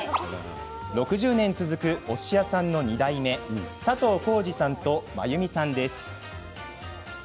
６０年続くおすし屋さんの２代目佐藤浩二さんと真由美さんです。